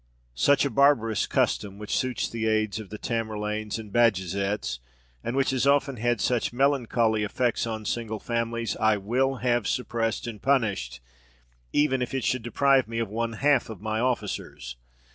"Such a barbarous custom, which suits the age of the Tamerlanes and Bajazets, and which has often had such melancholy effects on single families, I will have suppressed and punished, even if it should deprive me of one half of my officers.